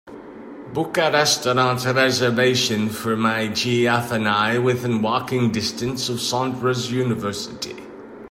Book a restaurant reservation for my gf and I within walking distance of sondra's university